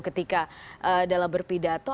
ketika dalam berpidato